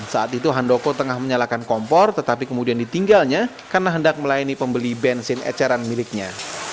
saat itu handoko tengah menyalakan kompor tetapi kemudian ditinggalnya karena hendak melayani pembeli bensin eceran miliknya